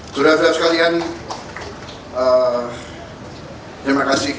sudah sudah sekalian terima kasih